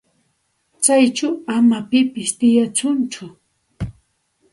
Chayćhu ama pipis tiyachunchu.